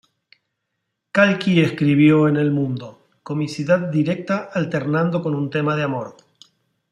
Calki escribió en "El Mundo": "Comicidad directa alternando con un tema de amor.